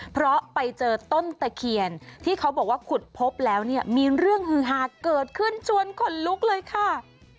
เพราะไปเจอต้นตะเคียนที่เขาบอกว่าขุดพบแล้วเนี่ยมีเรื่องฮือฮาเกิดขึ้นชวนขนลุกเลยค่ะ